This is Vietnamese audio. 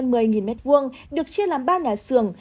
hơn một mươi m hai được chia làm ba nhà xưởng